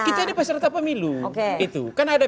kita peserta pemilu kan ada